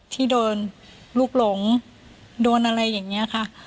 ที่โดนลูกหลงโดนอะไรอย่างนี้ค่ะ